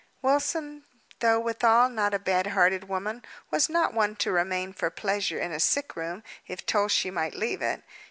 Wilson though withal not a bad hearted woman, was not one to remain for pleasure in a sick room, if told she might leave it.